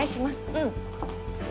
うん。